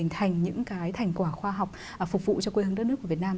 thành những thành quả khoa học phục vụ cho quê hương đất nước của việt nam